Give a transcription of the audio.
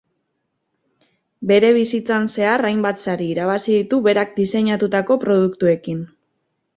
Bere bizitzan zehar hainbat sari irabazi ditu berak diseinatutako produktuekin.